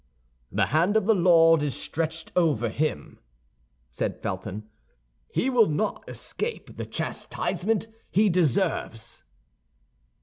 "The hand of the Lord is stretched over him," said Felton; "he will not escape the chastisement he deserves."